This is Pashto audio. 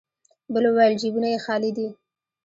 بل وويل: جيبونه يې خالي دی.